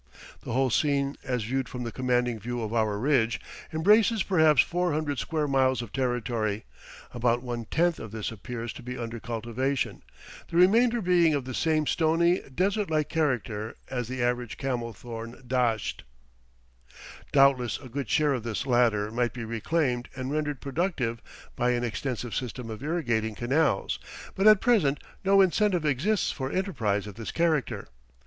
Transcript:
The whole scene, as viewed from the commanding view of our ridge, embraces perhaps four hundred square miles of territory; about one tenth of this appears to be under cultivation, the remainder being of the same stony, desert like character as the average camel thorn dasht. Doubtless a good share of this latter might be reclaimed and rendered productive by an extensive system of irrigating canals, but at present no incentive exists for enterprise of this character.